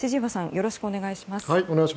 よろしくお願いします。